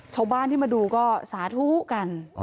ชาวบ้านที่มาดูก็สาธุกัน